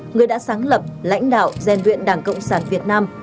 người đã sáng lập lãnh đạo rèn luyện đảng cộng sản việt nam